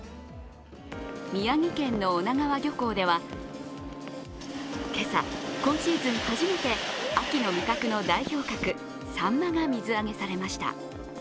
宮城県の女川漁港では今朝、今シーズン初めて秋の味覚の代表格・サンマが水揚げされました。